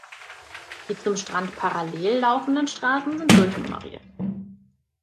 Die zum Strand parallel laufenden Straßen sind durchnummeriert.